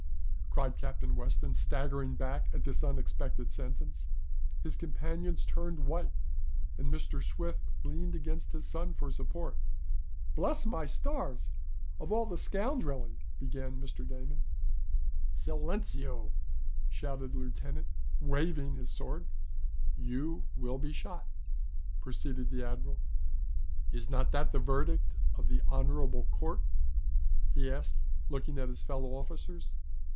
cried Captain Weston, staggering back at this unexpected sentence. His companions turned white, and Mr. Swift leaned against his son for support. "Bless my stars! Of all the scoundrelly!" began Mr. Damon. "Silenceo!" shouted the lieutenant, waving his sword. "You will be shot," proceeded the admiral. "Is not that the verdict of the honorable court?" he asked, looking at his fellow officers.